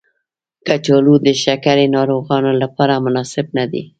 کچالو د شکرې ناروغانو لپاره مناسب ندی.